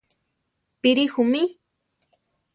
Píri ju mí?